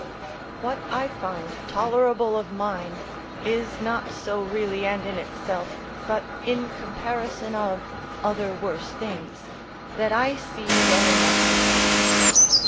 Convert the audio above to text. ] What I find tolerable of mine, is not so really and in itself, but in comparison of other worse things, that I see well enough received.